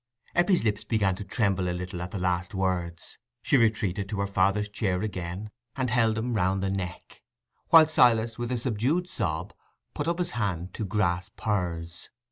Eppie's lips began to tremble a little at the last words. She retreated to her father's chair again, and held him round the neck: while Silas, with a subdued sob, put up his hand to grasp hers.